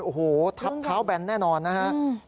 โอ้โฮทับเท้าแบรนด์แน่นอนนะครับ